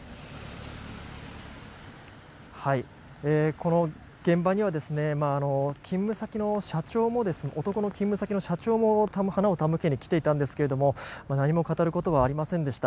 この現場には男の勤務先の社長も花を手向けに来ていたんですが何も語ることはありませんでした。